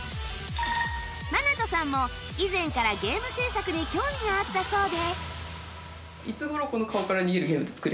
マナトさんも以前からゲーム制作に興味があったそうで